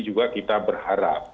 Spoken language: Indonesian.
juga kita berharap